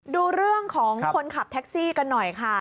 ดูเรื่องของคนขับแท็กซี่กันหน่อยค่ะ